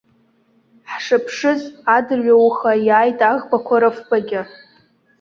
Ҳшыԥшыз, адырҩауаха иааит аӷбақәа рыфбагьы.